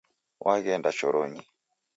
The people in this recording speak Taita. Waghenda choronyi